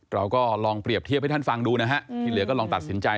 เราก็ลองเปรียบเทียบให้ท่านฟังดูนะฮะที่เหลือก็ลองตัดสินใจ